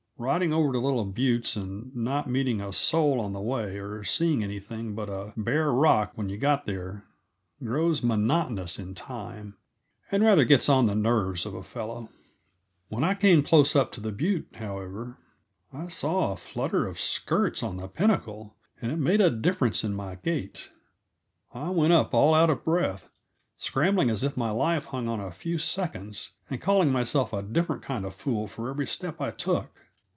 Riding over to little buttes, and not meeting a soul on the way or seeing anything but a bare rock when you get there, grows monotonous in time, and rather gets on the nerves of a fellow. When I came close up to the butte, however, I saw a flutter of skirts on the pinnacle, and it made a difference in my gait; I went up all out of breath, scrambling as if my life hung on a few seconds, and calling myself a different kind of fool for every step I took.